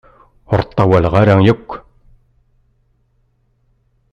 Ur ṭṭawaleɣ ara yakk.